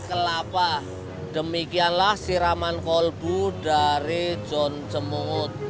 kelapa demikianlah siraman kolbu dari john jemut